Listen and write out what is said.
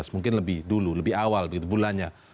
mungkin lebih dulu lebih awal begitu bulannya